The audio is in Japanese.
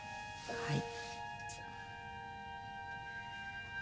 はい。